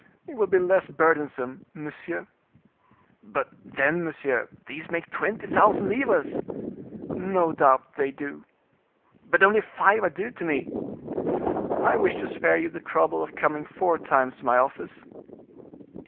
"It will be less burdensome, monsieur." "But, then, monsieur, these make twenty thousand livres." "No doubt they do." "But only five are due to me." "I wish to spare you the trouble of coming four times to my office."